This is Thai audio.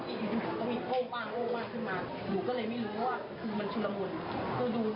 ทำรถที่ยังโดนทำร้ายนะภี่ผู้ชายแล้ว